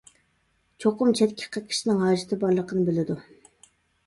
چوقۇم چەتكە قېقىشنىڭ ھاجىتى بارلىقىنى بىلىدۇ.